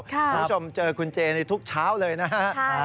คุณผู้ชมเจอคุณเจในทุกเช้าเลยนะฮะ